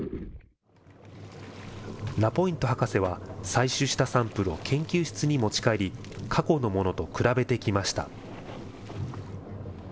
ラポイント博士は、採集したサンプルを研究室に持ち帰り、過去のものと比べてきました。